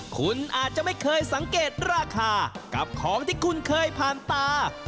คุณอาจจะไม่เคยสังเกตราคากับของที่คุณเคยผ่านตา